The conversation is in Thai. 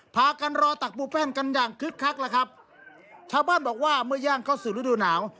พากันรอตักปูแป้นกันอย่างคึกคักแล้วครับชาวบ้านบอกว่าเมื่อย่างเข้าสู่ฤดูหนาว